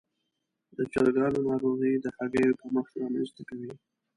د چرګانو ناروغي د هګیو کمښت رامنځته کوي.